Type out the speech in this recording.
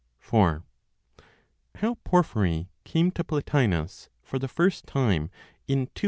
IV. HOW PORPHYRY CAME TO PLOTINOS FOR THE FIRST TIME, IN 253.